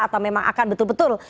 atau memang akan betul betul